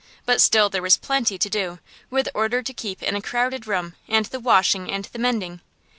But still there was plenty to do, with order to keep in a crowded room, and the washing, and the mending.